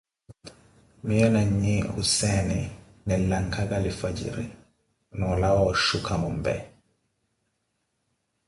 Miyo na nyi Husseene, linlakaga lifwajiri, na olawa oshuka mombe.